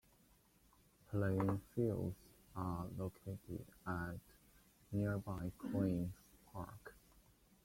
Playing fields are located at nearby Queens Park.